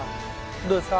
どうですか？